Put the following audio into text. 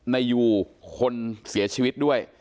นายยูคนเสียชีวิตด้วย